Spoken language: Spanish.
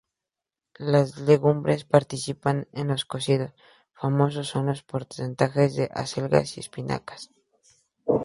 Las legumbres participan en los cocidos, famosos son los potajes de acelgas y espinacas.